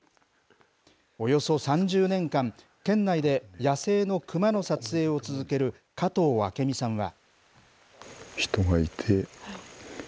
およそ３０年間、県内で野生のクマの撮影を続ける加藤明見さんは。